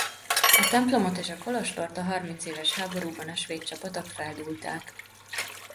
A templomot és a kolostort a Harmincéves háborúban a svéd csapatok feldúlták.